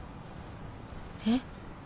えっ？